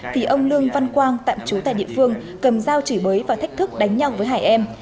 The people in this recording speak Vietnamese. thì ông lương văn quang tạm trú tại địa phương cầm dao chửi bới và thách thức đánh nhau với hải em